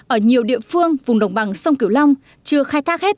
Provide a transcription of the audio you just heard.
ở nhiều địa phương vùng đồng bằng sông cửu long chưa khai thác hết